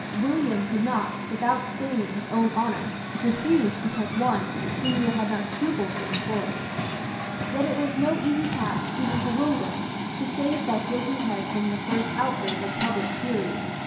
William could not, without staining his own honour, refuse to protect one whom he had not scrupled to employ. Yet it was no easy task even for William to save that guilty head from the first outbreak of public fury.